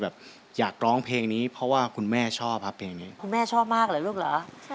เดี๋ยวมาฟังคณะกรรมการนะลูกนะปะตั๊กเป็นอย่างไรครับใช่ค่ะ